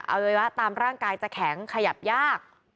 เอาไว้ว่าตามร่างกายจะแข็งขยับยาก